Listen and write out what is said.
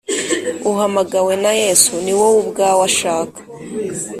uhamagawe na yesu, ni wow' ubwaw' ashaka !